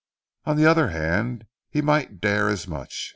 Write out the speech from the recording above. On the other hand he might dare as much.